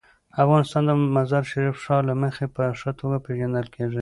افغانستان د مزارشریف د ښار له مخې په ښه توګه پېژندل کېږي.